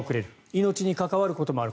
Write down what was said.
命に関わることもある。